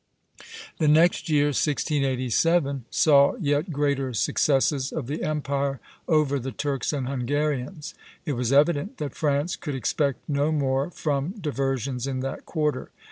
The next year, 1687, saw yet greater successes of the Empire over the Turks and Hungarians. It was evident that France could expect no more from diversions in that quarter.